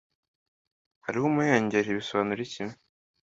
"Hariho umuhengeri" bisobanura iki?